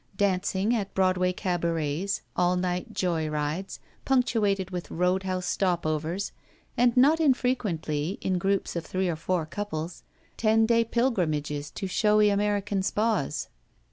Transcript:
Dancing at Broad way cabarets, all night joy rides, ptmctuated with road house stop overs, and not infrequently, in groups of three or four couples, ten day pilgrimages to showy American spas.